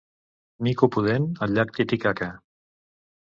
Mico pudent al llac Titicaca.